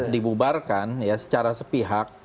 dibubarkan secara sepihak